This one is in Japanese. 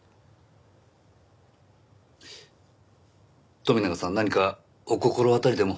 富永さん何かお心当たりでも？